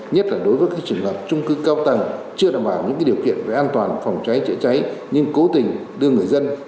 nhất là đối với các trường hợp trung cư cao tầng